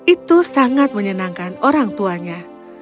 itu sangat menyenangkan orang tuanya